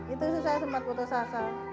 itu sih saya sempat putus asa